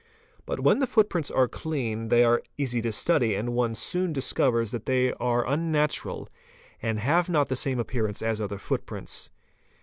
But when the footprints are clean they are easy to study and one soon discovers that they are unnatural and have not the same appearance as other footprints.